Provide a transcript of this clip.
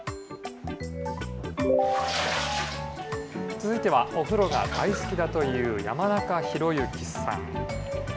続いては、お風呂が大好きだという山中博之さん。